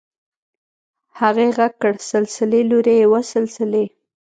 هغې غږ کړ سلسلې لورې وه سلسلې.